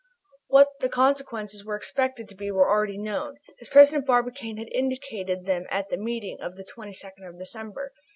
What the consequences were expected to be we already know, as President Barbicane had indicated them at the meeting of the 22d of December.